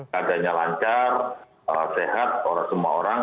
keadaannya lancar sehat semua orang